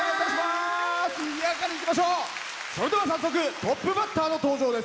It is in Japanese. それでは早速トップバッターの登場です！